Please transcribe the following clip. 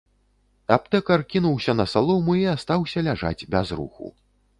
Аптэкар кінуўся на салому і астаўся ляжаць без руху.